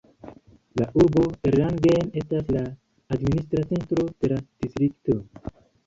La urbo Erlangen estas la administra centro de la distrikto.